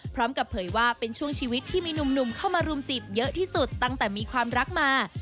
เผยว่าเป็นช่วงชีวิตที่มีหนุ่มเข้ามารุมจีบเยอะที่สุดตั้งแต่มีความรักมา